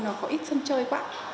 nó có ít sân chơi quá